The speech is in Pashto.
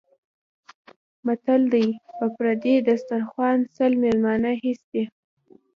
متل دی: په پردي دسترخوان سل مېلمانه هېڅ دي.